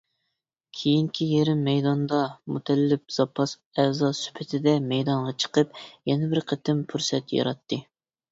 كېيىنكى يېرىم مەيداندا، مۇتەللىپ زاپاس ئەزا سۈپىتىدە مەيدانغا چىقىپ، يەنە بىر قېتىم پۇرسەت ياراتتى.